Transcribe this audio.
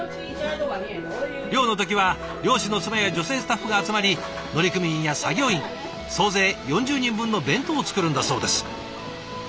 漁の時は漁師の妻や女性スタッフが集まり乗組員や作業員総勢４０人分の弁当を作るんだそうです。